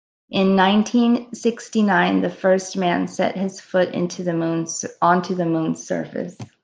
In nineteen-sixty-nine the first man set his foot onto the moon's surface.